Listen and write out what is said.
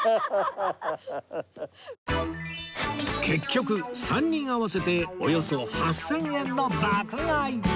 結局３人合わせておよそ８０００円の爆買い！